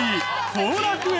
後楽園。